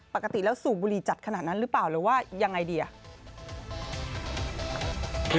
ปกติแล้วสูบบุหรี่จัดขนาดนั้นหรือเปล่าหรือว่ายังไงดีอ่ะ